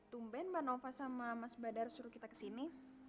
tumben mbak nova sama mas badar suruh kita kesini